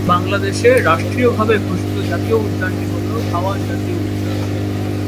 বাংলাদেশে রাষ্ট্রীয়ভাবে ঘোষিত জাতীয় উদ্যানটি হলো 'ভাওয়াল জাতীয় উদ্যান'।